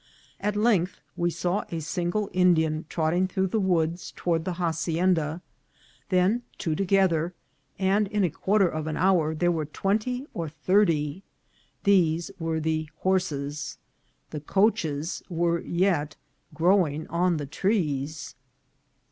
At length we saw a sin gle Indian trotting through the woods toward the haci enda, then two together, and in a quarter of an hour there were twenty or thirty. These were the horses ; the coaches were yet growing on the trees.